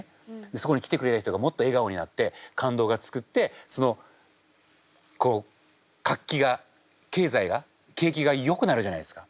そこに来てくれる人がもっと笑顔になって感動が作ってそのこう活気が経済が景気がよくなるじゃないですか。